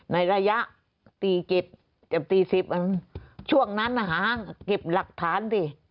ในระยะ๔๐ช่วงนั้นหาเก็บหลักฐานสิ